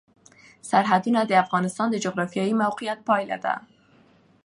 سرحدونه د افغانستان د جغرافیایي موقیعت پایله ده.